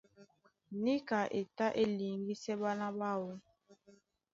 Níka e tá e liŋgisɛ ɓána ɓáō.